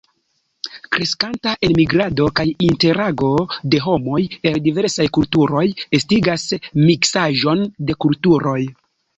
Kreskanta enmigrado kaj interago de homoj el diversaj kulturoj estigas miksaĵon de kulturoj.